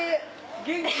元気？